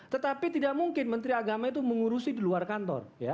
tetapi tidak mungkin menteri agama itu mengurusi di luar kantor